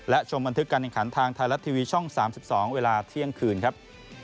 และชมบันทึกการแข่งขันทางไทยรัฐทีวีช่อง๓๒เวลาเที่ยงคืนครับ